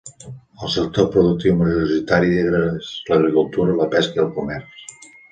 El sector productiu majoritari és l'agricultura, la pesca i el comerç.